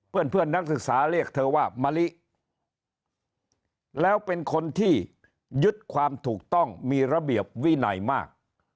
เพื่อนนักศึกษาเรียกเธอว่ามะลิแล้วเป็นคนที่ยึดความถูกต้องมีระเบียบวินัยมาก